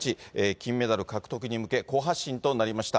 金メダル獲得に向け、好発進となりました。